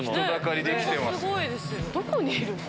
どこにいるの？